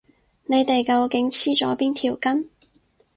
你哋究竟黐咗邊條筋？